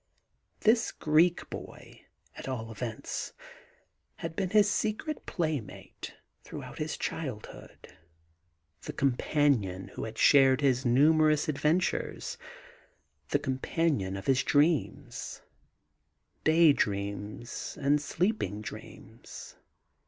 This Greek boy, at all events, had been his secret playmate throughout his childhood, the companion who had shared his numerous adventures, the com panion of his dreams — day dreams and sleeping dreams.